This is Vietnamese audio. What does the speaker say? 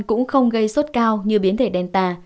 cũng không gây sốt cao như biến thể delta